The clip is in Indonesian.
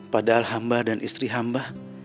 padahal hamba dan istri hamba